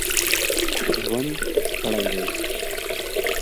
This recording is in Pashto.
ژوند ستړی دی.